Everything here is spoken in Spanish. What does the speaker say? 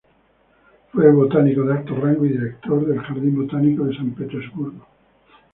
Fue "botánico de alto rango" y director del Jardín Botánico de San Petersburgo.